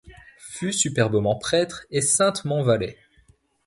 Fût superbement prêtre et saintement valet ;